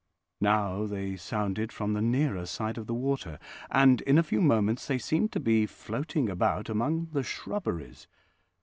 Now they sounded from the nearer side of the water, and in a few moments they seemed to be floating about among the shrubberies.